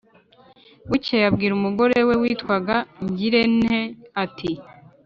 Bukeye abwira umugore we witwaga Ngirente ati: "